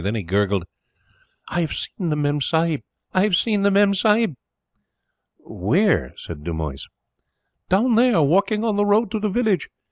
Then he gurgled: "I have seen the Memsahib! I have seen the Memsahib!" "Where?" said Dumoise. "Down there, walking on the road to the village.